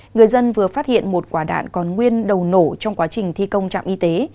người dân vừa phát hiện một quả đạn còn nguyên đầu nổ trong quá trình thi công trạm y tế